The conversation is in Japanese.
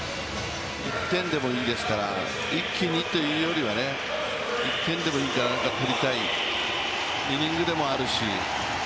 １点でもいいですから、一気にというよりは１点でもいいから取りたいイニングでもあるし。